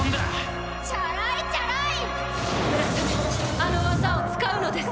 あの技を使うのです。